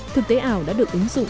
thực tế ảo đã được ứng dụng